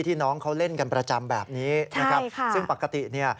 ที่น้องเขาเล่นกันประจำแบบนี้ซึ่งปกตินี่